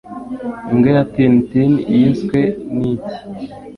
Imbwa ya Tin Tin Yiswe Niki